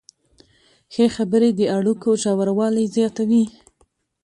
ښې خبرې د اړیکو ژوروالی زیاتوي.